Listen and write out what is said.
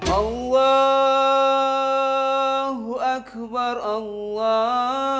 allahu akbar allah